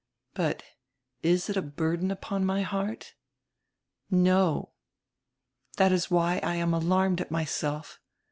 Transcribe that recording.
But is it a burden upon my heart? No. That is why I am alarmed at myself.